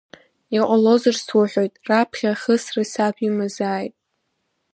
Иҟалозар суҳәоит, раԥхьа ахысра саб имазааит!